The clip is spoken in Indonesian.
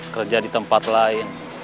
kerja di tempat lain